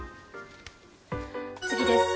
次です。